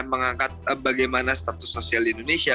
mengangkat bagaimana status sosial di indonesia